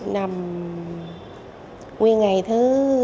nằm nguyên ngày thứ bảy